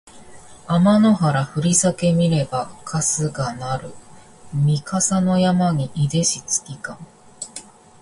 あまの原ふりさけ見ればかすがなるみ笠の山にいでし月かも